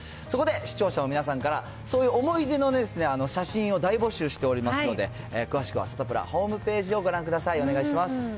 そこで、視聴者の皆さんから、そういう思い出の写真を大募集しておりますので、詳しくはサタプラホームページをご覧ください。